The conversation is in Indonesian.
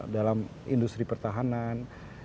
dalam industri pertahanan